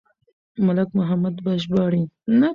ملک محمد به ژاړي.